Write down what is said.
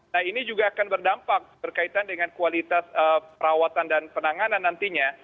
nah ini juga akan berdampak berkaitan dengan kualitas perawatan dan penanganan nantinya